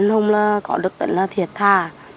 anh hùng là có được tính là thiệt thà